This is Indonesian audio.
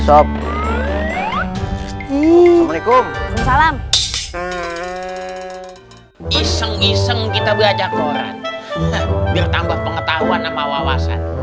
supi supi assalamualaikum salam iseng iseng kita baca koran bertambah pengetahuan sama wawasan